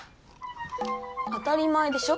当たり前でしょ。